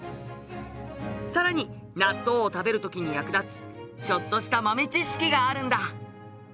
さらに納豆を食べる時に役立つちょっとした豆知識があるんだ。